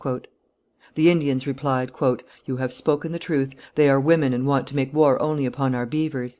The Indians replied: "You have spoken the truth. They are women and want to make war only upon our beavers."